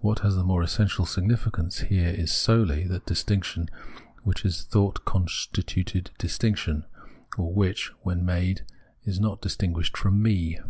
What has the more essential significance here is solely that distinction, which is a thought con stituted distinction, or which, when made, is not distin guished from me.